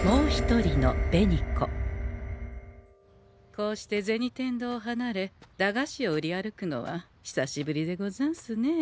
こうして銭天堂をはなれ駄菓子を売り歩くのは久しぶりでござんすねえ。